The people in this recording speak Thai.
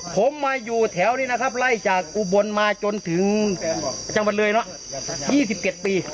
ผมมาอยู่แถวนี้นะครับไล่จากอุบลมาจนถึงจังหวัดเลยเนาะ๒๗ปี